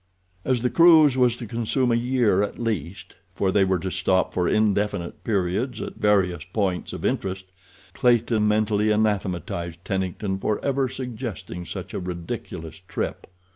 As the cruise was to consume a year at least, for they were to stop for indefinite periods at various points of interest, Clayton mentally anathematized Tennington for ever suggesting such a ridiculous trip.